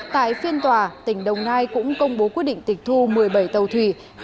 tại phiên tòa tỉnh đồng nai cũng công bố quyết định tịch thu một mươi bảy tàu thủy